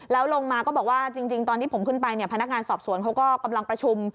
แล้วลงมาก็บอกว่าจริงตอนที่ผมขึ้นไปเนี่ยพนักงานสอบสวนเขาก็กำลังประชุม